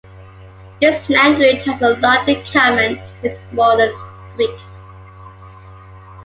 This language has a lot in common with modern Greek.